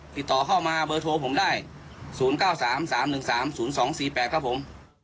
ติดต่อเข้ามาเบอร์โทรผมได้ศูนย์เก้าสามสามหนึ่งสามศูนย์สองสี่แปดครับผม